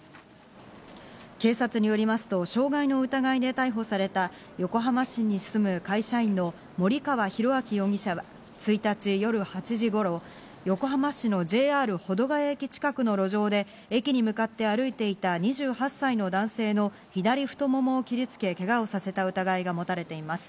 警察によりますと、傷害の疑いで逮捕された横浜市に住む会社員の森川浩昭容疑者は、１日夜８時頃、横浜市のＪＲ保土ケ谷駅近くの路上で駅に向かって歩いていた２８歳の男性の左太腿を切りつけ、けがをさせた疑いが持たれています。